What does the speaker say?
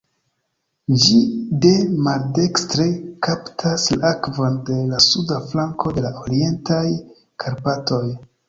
Ĝi de maldekstre kaptas la akvon de la suda flanko de la Orientaj Karpatoj.